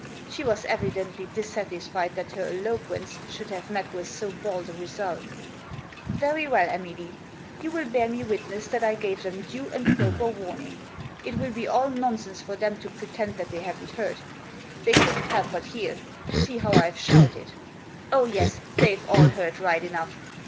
She was evidently dissatisfied that her eloquence should have met with so bald a result. " Very well, Emily, you will bear me witftesS that I gave them due and proper warning. It #ill be all nonsense for them to pretend that they haven't heard. They couldn't help but hear. See how I've shouted. Oh yes, they've all neard right enough!